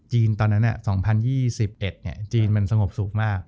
จีนตอนนั้น๒๐๒๑มันสงบสุขมาก